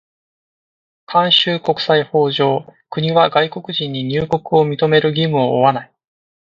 慣習国際法上、国は外国人に入国を認める義務を負わない。